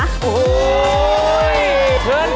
เชิญพบกันอื่นเร็ว